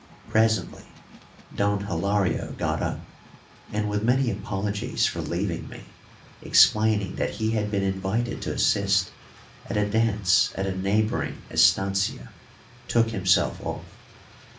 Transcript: Presently Don Hilario got up, and, with many apologies for leaving me, explaining that he had been invited to assist at a dance at a neighbouring estancia, took himself off.